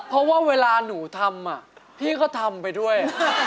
เพราะว่าเวลาหนูทำพี่ก็ทำไปด้วย